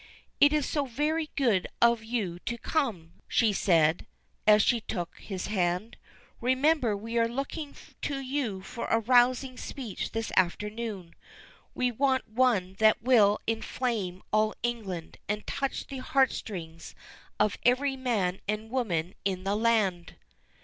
"It is so very good of you to come," she said, as she took his hand. "Remember, we are looking to you for a rousing speech this afternoon. We want one that will inflame all England, and touch the heartstrings of every man and woman in the land."